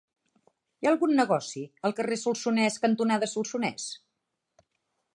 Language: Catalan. Hi ha algun negoci al carrer Solsonès cantonada Solsonès?